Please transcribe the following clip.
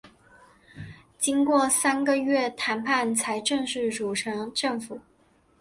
经过三个月谈判才正式组成政府。